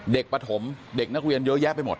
เด็กประถมเด็กนักเรียนเยอะแยะไปหมด